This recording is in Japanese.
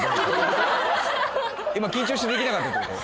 今緊張してできなかったってこと？